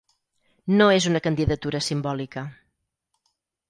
No és una candidatura simbòlica.